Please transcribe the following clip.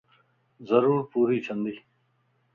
ضرور پوري ڇندي